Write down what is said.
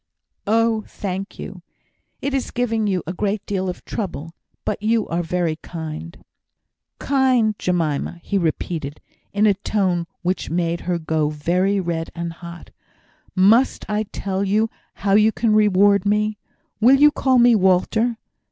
"Oh, thank you. It is giving you a great deal of trouble; but you are very kind." "Kind, Jemima!" he repeated, in a tone which made her go very red and hot; "must I tell you how you can reward me? Will you call me Walter?